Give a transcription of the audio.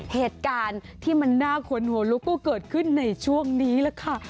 เหตุการณ์ที่มันน่าขนหัวลุกก็เกิดขึ้นในช่วงนี้แหละค่ะ